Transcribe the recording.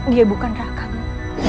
dia bukan rakamu